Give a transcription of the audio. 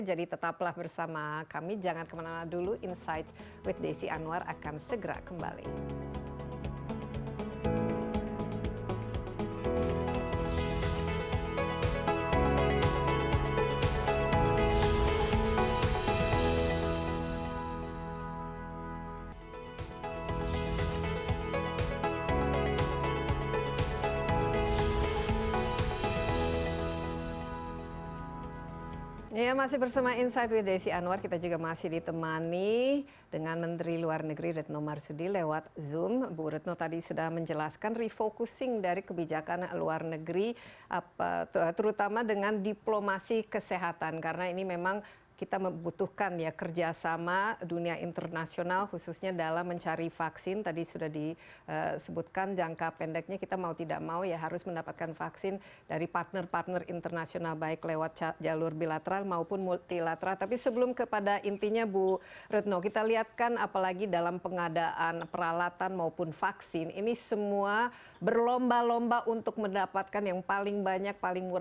jadi tetaplah bersama kami jangan kemana dulu insight with desy anwar akan segera kembali